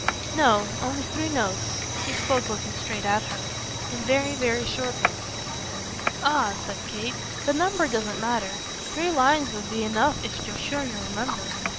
"No. Only three notes." He spoke looking straight at her. "And very, very short ones." "Ah," said Kate, "the number doesn't matter. Three lines would be enough if you're sure you remember."